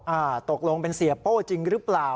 อ่าตกลงเป็นเสียโป้จริงหรือเปล่า